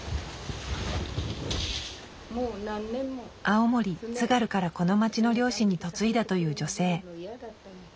青森・津軽からこの町の漁師に嫁いだという女性。